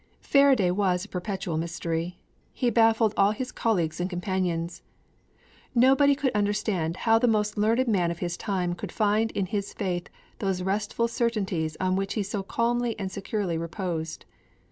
II Faraday was a perpetual mystery. He baffled all his colleagues and companions. Nobody could understand how the most learned man of his time could find in his faith those restful certainties on which he so calmly and securely reposed.